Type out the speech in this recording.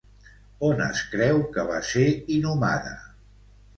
On es creu que va ser inhumada?